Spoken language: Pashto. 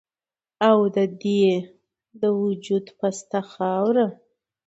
او د دې د وجود پسته خاوره